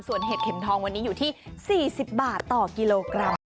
ส่วนเห็ดเข็มทองวันนี้อยู่ที่๔๐บาทต่อกิโลกรัม